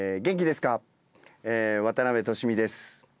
渡辺俊美です。